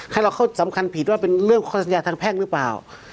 ให้เราเข้าสำคัญผิดว่าเป็นเรื่องข้อสัญญาทางแพ่งหรือเปล่า